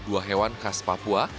dua hewan khas papua